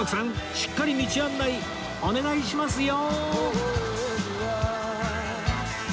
しっかり道案内お願いしますよ！